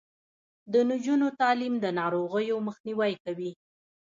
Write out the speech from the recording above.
د نجونو تعلیم د ناروغیو مخنیوی کوي.